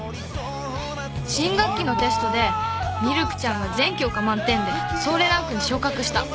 「新学期のテストでみるくちゃんが全教科満点で太陽ランクに昇格した。